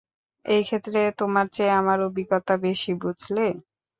এই ক্ষেত্রে তোমার চেয়ে আমার অভিজ্ঞতা বেশি, বুঝলে?